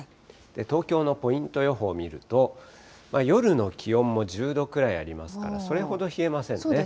東京のポイント予報見ると、夜の気温も１０度くらいありますから、それほど冷えませんね。